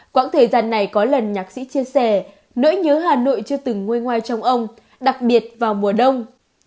quãng thời gian này có lần nhạc sĩ chia sẻ nỗi nhớ hà nội chưa từng ngôi ngoài trong ông đặc biệt vào mùa đông